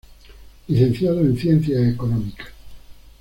Licenciado en Ciencias Económicas.